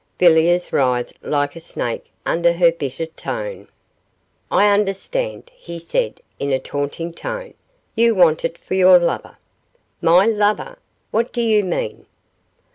Villiers writhed like a snake under her bitter scorn. 'I understand,' he said, in a taunting tone; 'you want it for your lover.' 'My lover? What do you mean?